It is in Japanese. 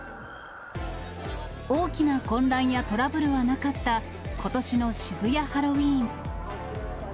大きな混乱やトラブルはなかった、ことしの渋谷ハロウィーン。